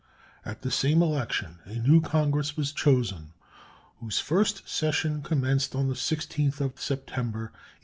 At the same election a new Congress was chosen, whose first session commenced on the 16th of September (1857).